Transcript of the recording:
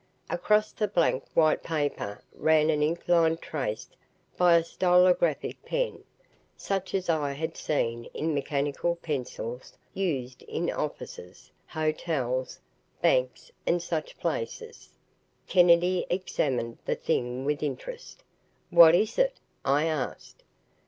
Across the blank white paper ran an ink line traced by a stylographic pen, such as I had seen in mechanical pencils used in offices, hotels, banks and such places. Kennedy examined the thing with interest. "What is it?" I asked.